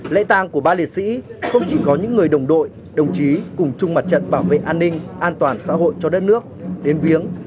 lễ tàng của ba liệt sĩ không chỉ có những người đồng đội đồng chí cùng chung mặt trận bảo vệ an ninh an toàn xã hội cho đất nước đến viếng